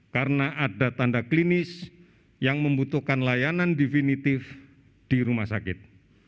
karena ada tanda klinis yang membutuhkan layanan definitif di rumah sakit